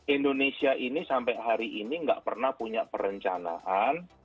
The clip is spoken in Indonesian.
indonesia ini sampai hari ini nggak pernah punya perencanaan